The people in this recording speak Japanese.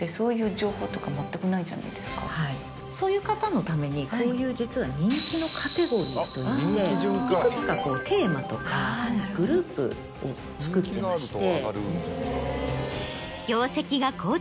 はいそういう方のためにこういう実は「人気のカテゴリー」といっていくつかテーマとかグループをつくってまして。